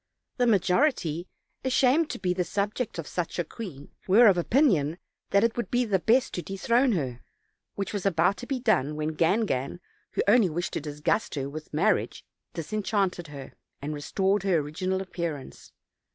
The majority, ashamed to be the subjects of such a queen, were of opinion that it would be the best to dethrone her, which was about to be done, when Gangan, who only wished to disgust her with marriage, disenchanted her, and restored Tier original appearance.